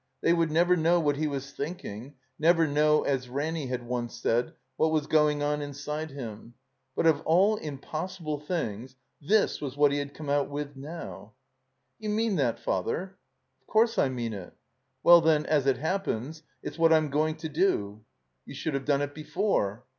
They would never know what he was thinking, never know (as Ranny had once said) what was going on inside him. 332 ti THE COMBINED MAZE And of all impossible things, this was what he had come out with now ! "Do you mean that, Father?*' "Of course I mean it." "Well, then — as it happens — it's what I'm going to do." "You should have done it before."